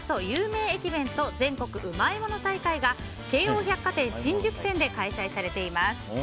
有名駅弁と全国うまいもの大会が京王百貨店新宿店で開催されています。